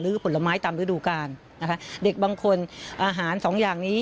ผลไม้ตามฤดูกาลนะคะเด็กบางคนอาหารสองอย่างนี้